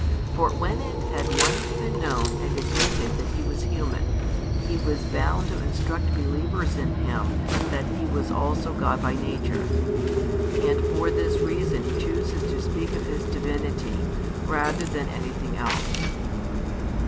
For when it had once been known and admitted that He was human, He was bound to instruct believers in Him that He was also God by nature; and for this reason He chooses to speak of His divinity, rather than anything else.